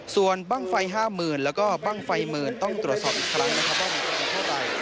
ส่วนบ้างไฟ๕๐๐๐แล้วก็บ้างไฟหมื่นต้องตรวจสอบอีกครั้งนะครับว่ามีประมาณเท่าไหร่